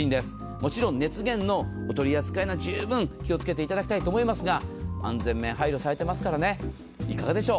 もちろん熱源のお取り扱いも十分気をつけていただきたいですが、安全面配慮されてますからね、いかがでしょう。